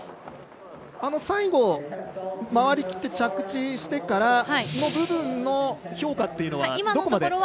最後、回りきって着地してからの部分の評価というのはどこまで？